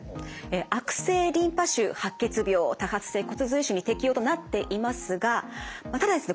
悪性リンパ腫白血病多発性骨髄腫に適用となっていますがただですね